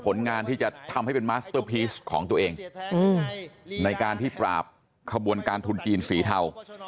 ผลงานที่จะทำให้เป็นมัสเตอร์พีชของตัวเองในการที่ปราบขบวนการทุนจีนสีเทา